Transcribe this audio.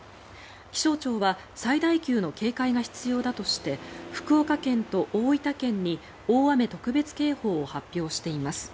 気象庁は最大級の警戒が必要だとして福岡県と大分県に大雨特別警報を発表しています。